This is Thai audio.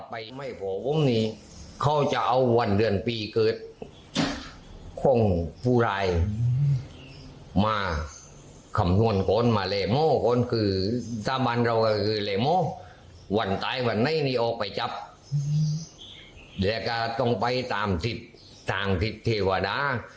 พ่อเนี่ยต้องหลอกไปตามศิษย์ส่างศิษย์เทวดา